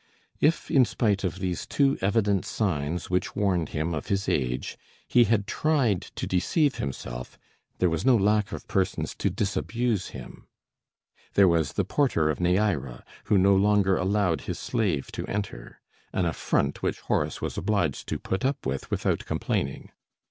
If, in spite of these too evident signs which warned him of his age, he had tried to deceive himself, there was no lack of persons to disabuse him. There was the porter of Neæra, who no longer allowed his slave to enter; an affront which Horace was obliged to put up with without complaining.